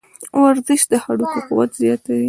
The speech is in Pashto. ورزش د هډوکو قوت زیاتوي.